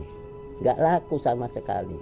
tidak laku sama sekali